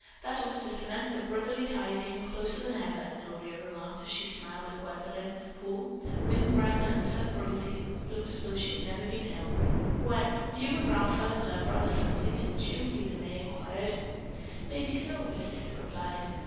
That ought to cement the brotherly ties even closer than ever," Gloria remarked, as she smiled at Gwendolyn, who, wind browned and sun rosy, looked as though she had never been ill. "Gwen, you and Ralph fell in love rather suddenly, didn't you?" Lena May inquired. "Maybe so," her sister replied.